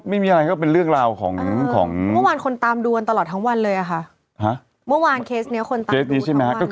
เมื่อวานเคสนี้คนตามดูทั้งวันใช่ไหม